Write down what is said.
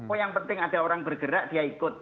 oh yang penting ada orang bergerak dia ikut